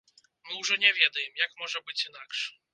Мы ўжо не ведаем, як можа быць інакш.